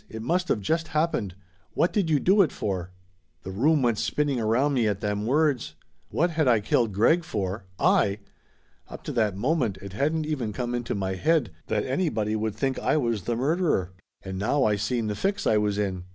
"It must of just hap pened. What did you do it for?" The room went spinning around me at them words. What had I killed Greg for I! Up to that moment it hadn't even come into my head that anybody would think I was the murderer. And now I seen the fix I was in.